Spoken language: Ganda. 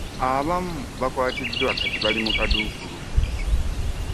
Abamu baakwatiddwa kati bali mu buduukulu.